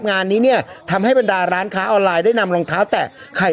งานนี้เนี่ยทำให้บรรดาร้านค้าออนไลน์ได้นำรองเท้าแตะไข่